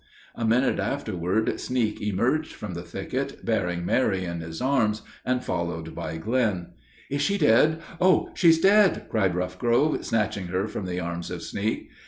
A minute afterward Sneak emerged from the thicket, bearing Mary in his arms, and followed by Glenn. "Is she dead? Oh, she's dead!" cried Roughgrove, snatching her from the arms of Sneak.